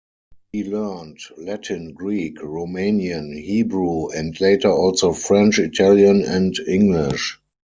He learned Latin, Greek, Romanian, Hebrew and later also French, Italian and English.